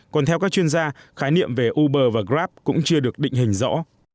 còn theo các chuyên gia khái niệm về uber và grab cũng chưa được định hình rõ